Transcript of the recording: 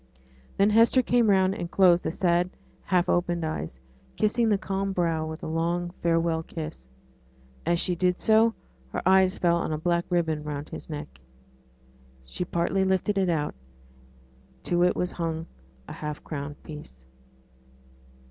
Then Hester came round and closed the sad half open eyes; kissing the calm brow with a long farewell kiss. As she did so, her eye fell on a black ribbon round his neck. She partly lifted it out; to it was hung a half crown piece.